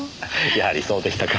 やはりそうでしたか。